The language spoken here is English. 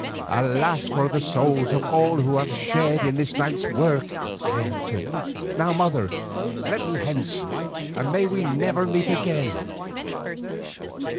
"Alas for the souls of all who have shared in this night's work," I answered. "Now, mother, let me hence, and may we never meet again!"